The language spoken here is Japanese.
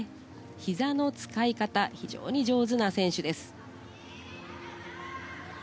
ひざの使い方が非常に上手な選手です。